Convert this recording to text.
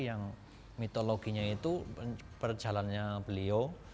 yang mitologinya itu berjalannya beliau